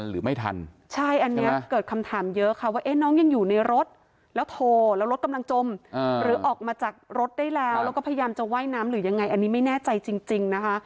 หรือออกมาจากรถได้แล้วแล้วก็พยายามจะไหว้น้ำหรือยังไงอันนี้ไม่แน่ใจจริงนะคะ